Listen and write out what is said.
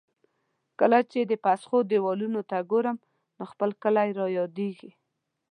کله چې د پسخو دېوالونو ته ګورم، نو خپل کلی را یادېږي.